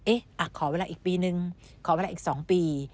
เอ๊ะขอเวลาอีกปีหนึ่งขอเวลาอีกสองปี